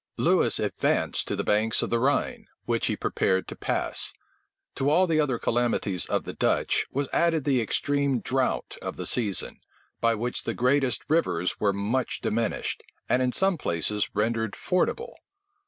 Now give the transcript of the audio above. Lewis advanced to the banks of the Rhine, which he prepared to pass. To all the other calamities of the Dutch was added the extreme drought of the season, by which the greatest rivers were much diminished, and in some places rendered fordable.